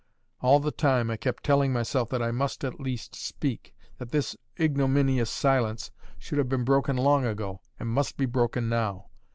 All the time, I kept telling myself that I must at least speak; that this ignominious silence should have been broken long ago, and must be broken now.